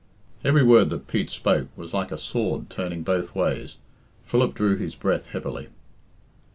Every word that Pete spoke was like a sword turning both ways. Philip drew his breath heavily.